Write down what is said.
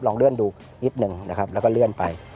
เลื่อนดูนิดนึงนะครับแล้วก็เลื่อนไป